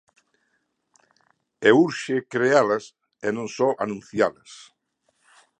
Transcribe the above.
E urxe crealas, e non só anuncialas.